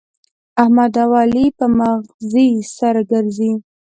احمد او علي په مغزي سره ګرزي.